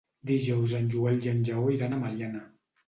Dijous en Joel i en Lleó iran a Meliana.